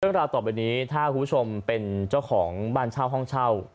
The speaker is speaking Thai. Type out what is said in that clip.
ราวต่อไปนี้ถ้าคุณผู้ชมเป็นเจ้าของบ้านเช่าห้องเช่า